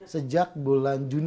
sejak bulan juni